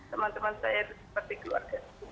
teman teman saya itu seperti keluarga